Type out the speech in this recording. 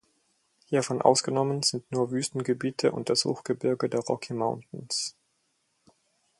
Hiervon ausgenommen sind nur Wüstengebiete und das Hochgebirge der Rocky Mountains.